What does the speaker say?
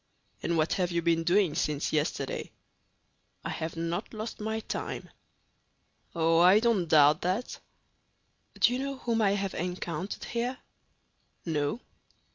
"And what have you been doing since yesterday?" "I have not lost my time." "Oh, I don't doubt that." "Do you know whom I have encountered here?" "No."